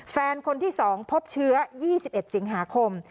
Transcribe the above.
แฟนคนที่๒พบเชื้อ๒๑สิงหาคม